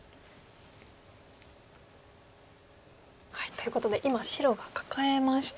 ということで今白がカカえました。